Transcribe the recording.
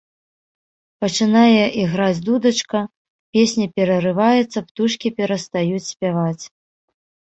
Пачынае іграць дудачка, песня перарываецца, птушкі перастаюць спяваць.